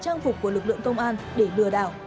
trang phục của lực lượng công an để lừa đảo